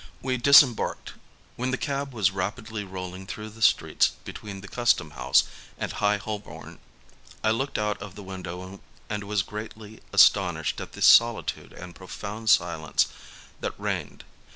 We disembarked. While the cab was rapidly rolling through the streets between the Custom House and High Holbom, I looked out of the window and was greatly as tonished at the solitude and profound silence that reigned.